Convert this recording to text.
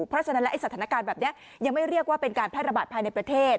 เพราะฉะนั้นแล้วสถานการณ์แบบนี้ยังไม่เรียกว่าเป็นการแพร่ระบาดภายในประเทศ